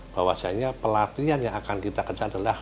bahwasanya pelatihan yang akan kita kejar adalah